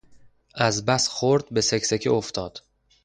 از بس خورد به سکسکه افتاد.